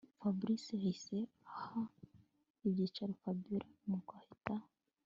Fabric yahise aha ibyicaro Fabiora nuko ahita